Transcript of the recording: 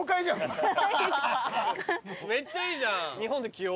めっちゃいいじゃん。